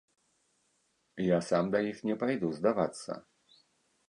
Я сам да іх не пайду здавацца.